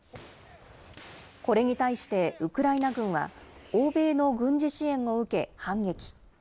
これに対してウクライナ軍は、欧米の軍事支援を受け、反撃。